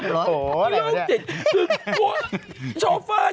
รถแป้งตรงนี้โซเฟอร์เนี่ย